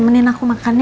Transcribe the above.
temenin aku makan ya